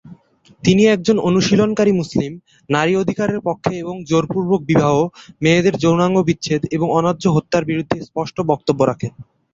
তিনি একজন অনুশীলনকারী মুসলিম, নারীর অধিকারের পক্ষে এবং জোরপূর্বক বিবাহ, মেয়েদের যৌনাঙ্গ বিচ্ছেদ এবং অনার্য হত্যার বিরুদ্ধে স্পষ্ট বক্তব্য রাখেন।